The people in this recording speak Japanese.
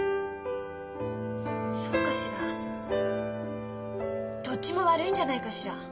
そうかしらどっちも悪いんじゃないかしら？